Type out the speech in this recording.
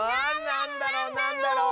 なんだろ？